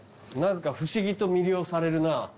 なぜか不思議と魅了されるな。